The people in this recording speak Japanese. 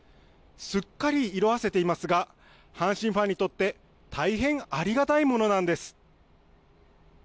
すっかり色あせていますが阪神ファンにとって大変、ありがたいものなんです。